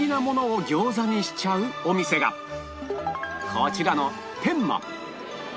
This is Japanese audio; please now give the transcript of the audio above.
こちらの天馬